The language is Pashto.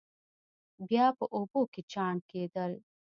بیا په اوبو کې چاڼ کېدل.